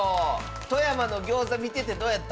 富山のギョーザ見ててどうやった？